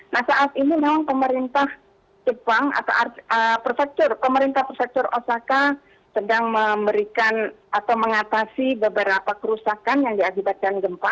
nah saat ini memang pemerintah jepang atau prefektur pemerintah persektur osaka sedang memberikan atau mengatasi beberapa kerusakan yang diakibatkan gempa